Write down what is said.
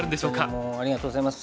本当にもうありがとうございます。